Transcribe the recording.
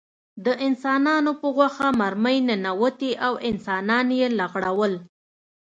د انسانانو په غوښه مرمۍ ننوتې او انسانان یې لغړول